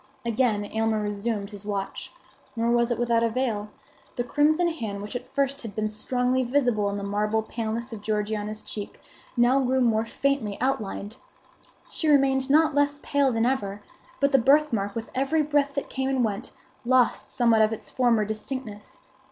Again Aylmer resumed his watch. Nor was it without avail. The crimson hand, which at first had been strongly visible upon the marble paleness of Georgiana's cheek, now grew more faintly outlined. She remained not less pale than ever; but the birthmark with every breath that came and went, lost somewhat of its former distinctness.